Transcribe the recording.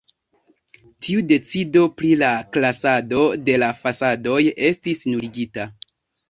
Tiu decido pri la klasado de la fasadoj estis nuligita.